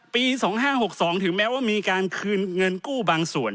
ปี๒๕๖๒ถึงแม้ว่ามีการคืนเงินกู้บางส่วน